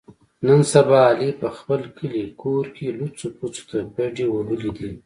نن سبا علي په خپل کلي کور کې لوڅو پوڅو ته بډې وهلې دي.